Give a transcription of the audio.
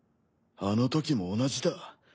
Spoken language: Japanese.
あのときも同じだ。